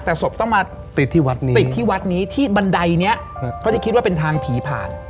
แต่ศพต้องมาติดที่วัดนี้ติดที่วัดนี้ที่บันไดเนี้ยเขาจะคิดว่าเป็นทางผีผ่าน